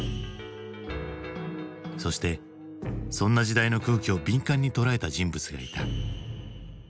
そしてそんな時代の空気を敏感に捉えた人物がいた。